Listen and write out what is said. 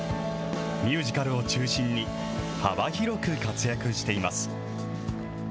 ミュージカルを中心に、幅広く活躍しています。